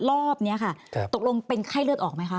รอบนี้ค่ะตกลงเป็นไข้เลือดออกไหมคะ